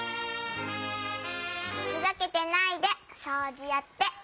ふざけてないでそうじやって。